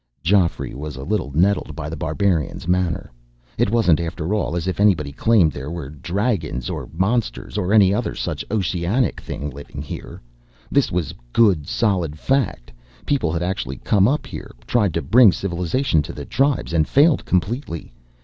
Geoffrey was a little nettled by The Barbarian's manner. It wasn't, after all, as if anybody claimed there were dragons or monsters or any other such oceanic thing living here. This was good, solid fact people had actually come up here, tried to bring civilization to the tribes, and failed completely.